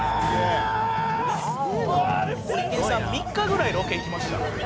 ホリケンさん３日ぐらいロケ行きました？